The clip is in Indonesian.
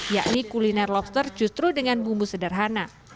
yakni kuliner lobster justru dengan bumbu sederhana